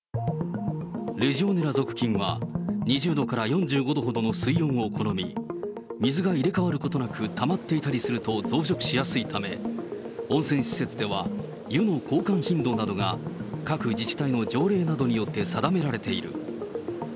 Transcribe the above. レジオネラ属菌は、２０度から４５度ほどの水温を好み、水が入れ替わることなくたまっていたりすると増殖しやすいため、温泉施設では湯の交換頻度などが、各自治体の条例などによって定められている。